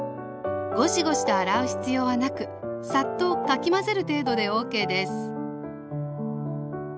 ゴシゴシと洗う必要はなくサッとかき混ぜる程度でＯＫです